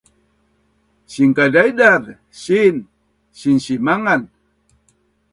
sinkadaidaz, siin sinsimangan